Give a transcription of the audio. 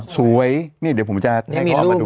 สวยนี่เดี๋ยวผมจะให้พ่อมาดู